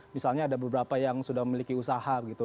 misalnya ada beberapa yang sudah memiliki usaha gitu